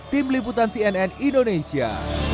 tim liputan cnn indonesia